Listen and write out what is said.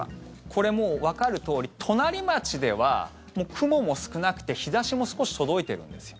これ、もうわかるとおり隣町では雲も少なくて日差しも少し届いてるんですよ。